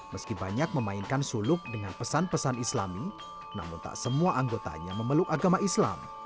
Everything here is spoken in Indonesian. meski banyak memainkan suluk dengan pesan pesan islami namun tak semua anggotanya memeluk agama islam